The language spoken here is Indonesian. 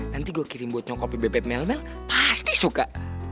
nanti gue kirim buat nyokopi bebek mel mel pasti suka